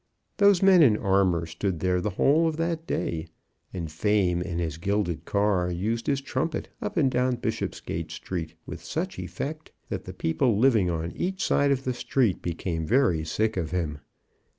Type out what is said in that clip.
Those men in armour stood there the whole of that day, and Fame in his gilded car used his trumpet up and down Bishopsgate Street with such effect, that the people living on each side of the street became very sick of him.